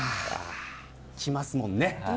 きますもんね。